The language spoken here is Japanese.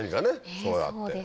そうやって。